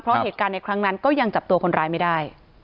เพราะเหตุการณ์ในครั้งนั้นก็ยังจับตัวคนร้ายไม่ได้